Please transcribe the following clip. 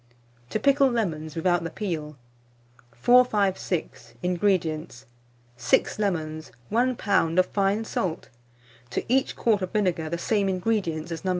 TO PICKLE LEMONS WITHOUT THE PEEL. 456. INGREDIENTS. 6 lemons, 1 lb. of fine salt; to each quart of vinegar, the same ingredients as No.